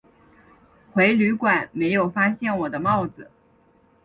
回旅馆没有发现我的帽子